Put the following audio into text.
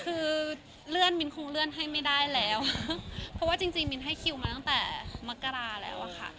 คือเลื่อนมิ้นคงเลื่อนให้ไม่ได้แล้วเพราะว่าจริงมิ้นให้คิวมาตั้งแต่มกราแล้วอะค่ะ